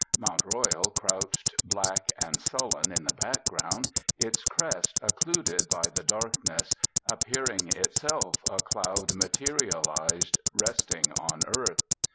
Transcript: Mount Royal crouched, black and sullen, in the background, its crest occluded by the darkness, appearing itself a cloud materialised, resting on earth.